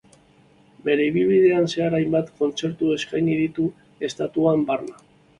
Bere ibilbidean zehar hainbat kontzertu eskaini ditu estatuan barna.